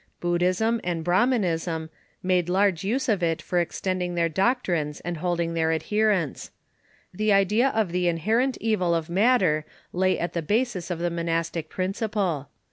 Buddhism and Brahminism made large use of it for extending their doctrines and holding their adherents. The idea of the inherent evil of matter lay at the basis of the monastic principle.